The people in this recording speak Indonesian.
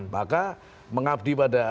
maka mengabdi pada